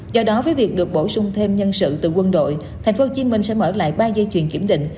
do đó với việc được bổ sung thêm nhân sự từ quân đội tp hcm sẽ mở lại ba dây chuyền kiểm định